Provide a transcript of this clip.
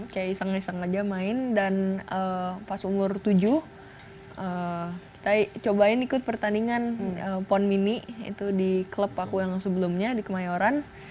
kayak iseng iseng aja main dan pas umur tujuh kita cobain ikut pertandingan pon mini itu di klub aku yang sebelumnya di kemayoran